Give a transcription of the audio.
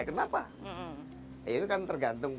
kenapa itu kan tergantung